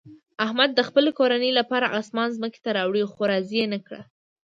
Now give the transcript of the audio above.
احمد د خپلې کورنۍ لپاره اسمان ځمکې ته راوړ، خو راضي یې نه کړه.